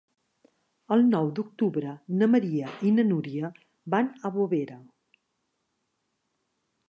El nou d'octubre na Maria i na Núria van a Bovera.